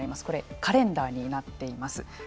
これカレンダーになっています。